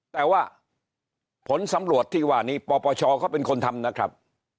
แต่ว่าผลสำรวจที่ว่านี้ปปชเขาเป็นคนทำนะครับ